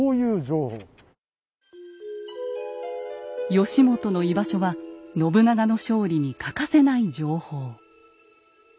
義元の居場所は信長の勝利に欠かせない情報。